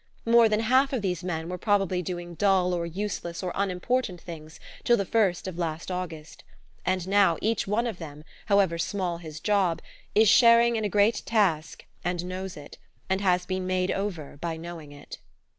More than half of these men were probably doing dull or useless or unimportant things till the first of last August; now each one of them, however small his job, is sharing in a great task, and knows it, and has been made over by knowing it.